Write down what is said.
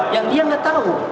yang dia nggak tahu